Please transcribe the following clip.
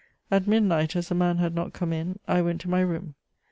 At midnight, as the man had not come in, I went to my room.